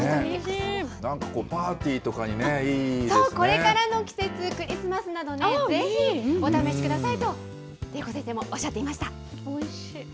なんかこう、パーティーとかこれからの季節、クリスマスなどね、ぜひ、お試しくださいと麗子先生もおっしゃっていました。